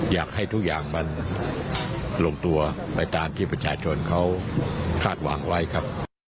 อยากให้ทุกอย่างมันลงตัวไปตามที่ประชาชนเขาคาดหวังไว้ครับ